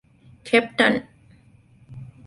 ކެޕްޓަން